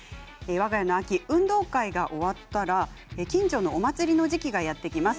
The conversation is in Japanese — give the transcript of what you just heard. わが家の秋、運動会が終わったら近所のお祭りの時期がやってきます。